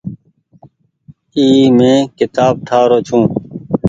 اي مين ڪيتآب ٺآ رو ڇي۔